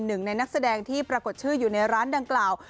หนึ่งในนักแสดงที่ปรากฏชื่ออยู่ในร้านดังกล่าว